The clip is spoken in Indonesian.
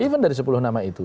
even dari sepuluh nama itu